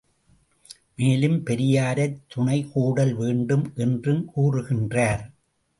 மேலும் பெரியாரைத் துணைக்கோடல் வேண்டும் என்றும் கூறுகின்றார்.